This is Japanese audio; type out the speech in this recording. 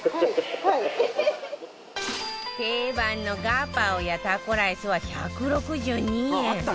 定番のガパオやタコライスは１６２円